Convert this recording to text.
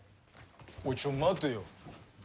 おいちょっと待てよ。